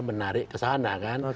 menarik ke sana kan